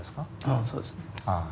ああそうですね。